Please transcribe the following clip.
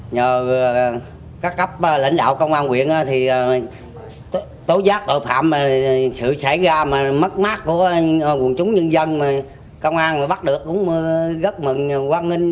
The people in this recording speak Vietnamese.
nhờ các cấp lãnh đạo công an huyện tối giác tội phạm sự xảy ra mất mát của quần chúng dân dân